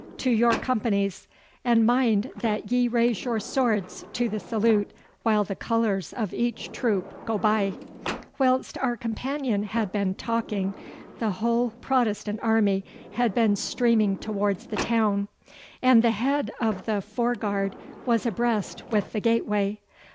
To your companies, and mind that ye raise your swords to the salute while the colours of each troop go by.' Whilst our companion had been talking, the whole Protestant army had been streaming towards the town, and the head of the fore guard was abreast with the gateway.